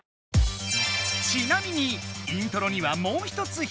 ちなみにイントロにはもうひとつヒミツが！